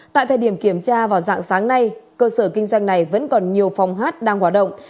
tại thời điểm kiểm tra vào dạng sáng nay cơ sở kinh doanh này vẫn còn nhiều phòng hát đang hoạt động